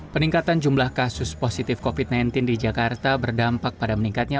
peningkatan jumlah kasus positif covid sembilan belas di jakarta berdampak pada meningkatnya